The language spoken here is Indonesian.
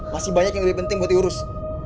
masih banyak yang lebih penting buat diurus